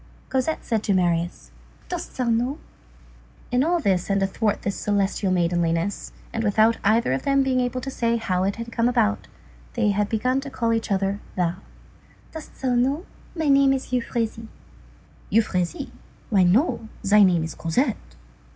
Cosette said to Marius:— "Dost thou know?—" [In all this and athwart this celestial maidenliness, and without either of them being able to say how it had come about, they had begun to call each other thou.] "Dost thou know? My name is Euphrasie." "Euphrasie? Why, no, thy name is Cosette."